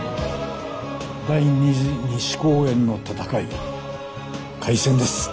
第二次西公園の戦い開戦です。